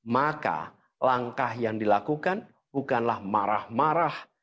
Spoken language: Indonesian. maka langkah yang dilakukan bukanlah marah marah